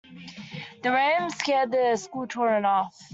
The ram scared the school children off.